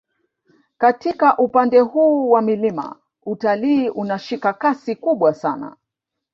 Katika upande huu wa milima utalii unashika kasi kubwa sana